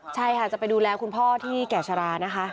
ใช่ค่ะจะไปดูแลคุณพ่อที่แก่ชะลานะคะ